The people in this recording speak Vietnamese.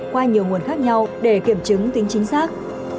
qua nhiều nguồn khác nhau để kiểm chứng tính chính xác